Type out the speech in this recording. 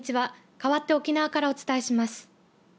かわって沖縄からお伝えします。